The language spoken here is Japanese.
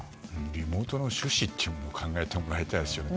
リモートの主旨を考えてもらいたいですね。